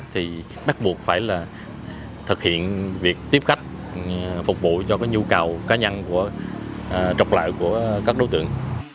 thì bắt buộc phải là thực hiện việc tiếp khách phục vụ cho nhu cầu cá nhân trọc lợi của các đối tượng